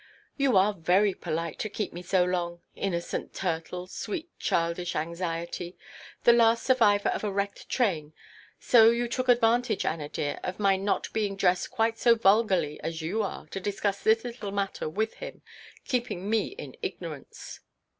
"You are very polite, to keep me so long. Innocent turtles; sweet childish anxiety! The last survivor of a wrecked train! So you took advantage, Anna dear, of my not being dressed quite so vulgarly as you are, to discuss this little matter with him, keeping me in ignorance."